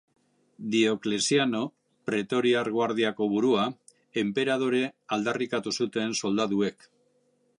Diokleziano, Pretoriar Guardiako burua, enperadore aldarrikatu zuten soldaduek.